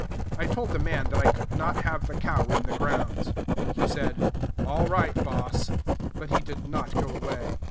I told the man that I could not have the cow in the grounds. He said, "All right, boss;" but he did not go away.